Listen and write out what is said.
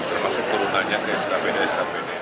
termasuk turunannya ke skpd skpd